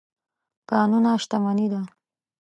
کانونه شتمني ده.